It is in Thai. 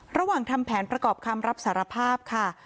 ระหว่างทำแผนประกอบคำรับสารภาพค่ะ